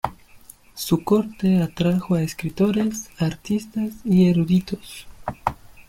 Su corte atrajo a escritores, artistas, y eruditos.